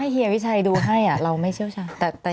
เฮียวิชัยดูให้เราไม่เชี่ยวชาญ